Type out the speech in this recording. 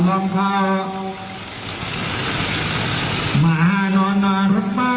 สุดท้ายสุดท้ายสุดท้าย